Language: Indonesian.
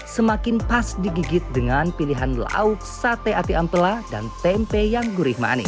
semakin pas digigit dengan pilihan lauk sate ati ampela dan tempe yang gurih manis